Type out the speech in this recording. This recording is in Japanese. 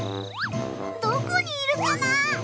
どこにいるかな？